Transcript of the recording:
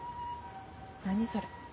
何それ。